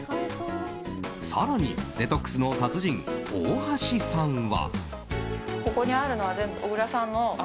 更にデトックスの達人大橋さんは。